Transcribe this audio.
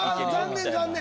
残念残念！